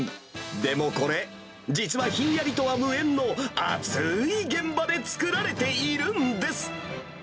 でも、これ、実はひんやりとは無縁の、アツい現場で作られているんです。